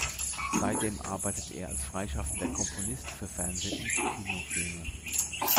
Seitdem arbeitet er als freischaffender Komponist für Fernseh- und Kinofilme.